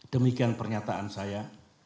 demikian pernyataan saya